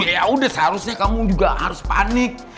ya udah seharusnya kamu juga harus panik